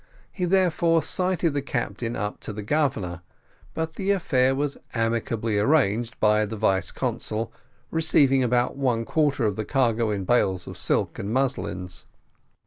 He therefore cited the captain up to the Governor, but the affair was amicably arranged by the vice consul receiving about one quarter of the cargo in bales of silks and muslins.